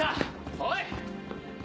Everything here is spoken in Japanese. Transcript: おい！